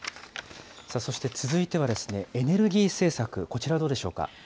そして続いてはエネルギー政策、こちらはどうでしょうか。